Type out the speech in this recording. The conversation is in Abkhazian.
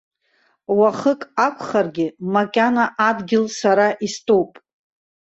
Уахык акәхаргьы, макьана адгьыл сара истәуп!